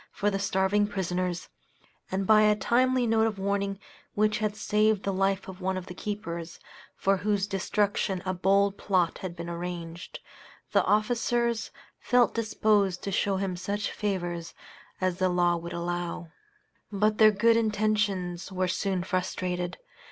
for the starving prisoners, and by a timely note of warning, which had saved the life of one of the keepers, for whose destruction a bold plot had been arranged the officers felt disposed to show him such favors as the law would allow. But their good intentions were soon frustrated.